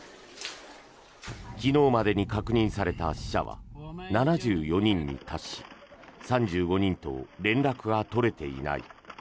昨日までに確認された死者は７４人に達し３５人と連絡が取れていない。